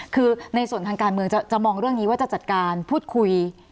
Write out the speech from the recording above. คือในส่วนทางการเมืองจะมองเรื่องนี้ว่าจะจัดการพูดคุย